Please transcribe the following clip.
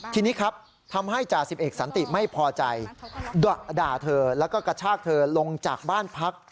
ทีนี้ครับทำให้จ่าสิบเอกสันติไม่พอใจด่าเธอแล้วก็กระชากเธอลงจากบ้านพัก